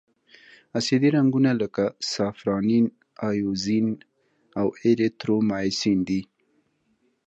اسیدي رنګونه لکه سافرانین، ائوزین او ایریترومایسین دي.